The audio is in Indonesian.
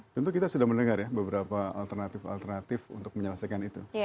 tentu kita sudah mendengar ya beberapa alternatif alternatif untuk menyelesaikan itu